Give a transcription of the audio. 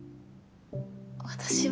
私は。